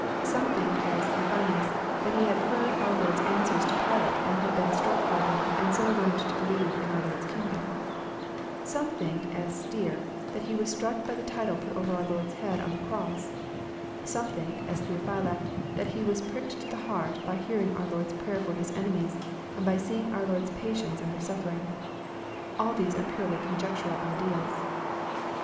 — ^Some think, as Euthymius, that he had heard our Lord's answers to Pilate, and been struck by them and 80 learned to believe in our Lord's kingdom. — Some think, as Stier, that he was struck by the title put over our Lord's head on the cross. — Some think, as Theophylact, that he was pricked to the heart by hearing our Lord's prayer for His enemies, and by seeing our Lord's patience under sui3fering. All these are purely conjec tural ideas.